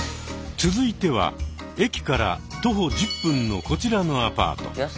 続いては駅から徒歩１０分のこちらのアパート。